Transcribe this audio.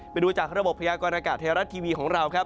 ไปดูจากระบบพยากรณากาศไทยรัฐทีวีของเราครับ